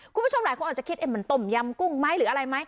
คุณผู้ชมหลายคนอาจจะคิดมันต้มยำกุ้งไหมหรืออะไรไหม